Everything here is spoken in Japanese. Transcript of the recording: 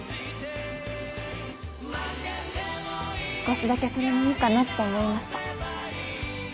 少しだけそれもいいかなって思いました。